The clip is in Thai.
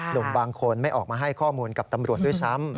หนุ่มบางคนไม่ออกมาให้ข้อมูลกับตำรวจด้วยซ้ำ